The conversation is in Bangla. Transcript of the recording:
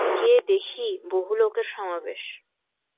গিয়ে দেখি, বহু লোকের সমাবেশ।